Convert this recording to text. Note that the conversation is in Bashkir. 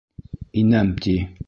Инәм, ти.